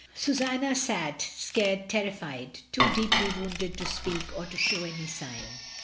Susanna sat, scared, terrified, too deeply wounded to spealc'.or tO show any sign.